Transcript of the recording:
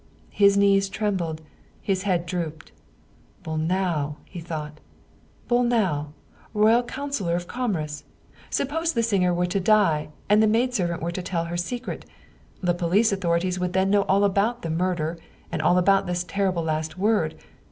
His knees trembled, his head drooped. " Bolnau !" he thought " Bolnau, royal Councilor of Com merce ! Suppose the singer were to die, and the maid servant were to tell her secret! The police authorities would then know all about the murder, and all about this terrible last word.